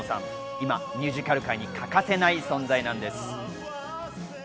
今、ミュージカル界に欠かせない存在なんです。